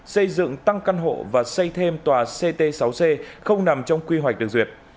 xây dựng tăng căn hộ và xây thêm tòa ct sáu c không nằm trong quy hoạch được duyệt